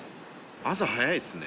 朝早いですね。